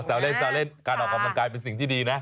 เล่นแซวเล่นการออกกำลังกายเป็นสิ่งที่ดีนะ